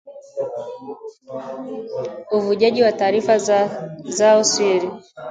uvujaji wa taarifa zao siri